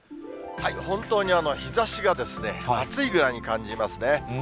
本当に日ざしが暑いぐらいに感じますね。